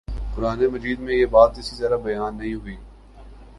قرآنِ مجید میں یہ بات اس طرح بیان نہیں ہوئی